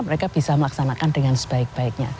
mereka bisa melaksanakan dengan sebaik baiknya